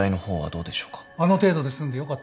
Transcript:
あの程度で済んでよかったよ。